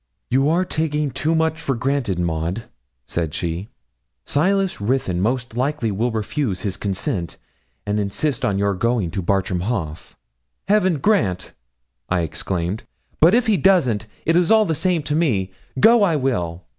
'You're taking too much for granted, Maud,' said she; 'Silas Ruthyn, most likely, will refuse his consent, and insist on your going to Bartram Haugh.' 'Heaven grant!' I exclaimed; 'but if he doesn't, it is all the same to me, go I will.